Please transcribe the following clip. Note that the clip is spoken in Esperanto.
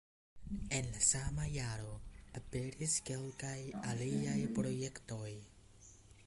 En la sama jaro aperis kelkaj aliaj projektoj.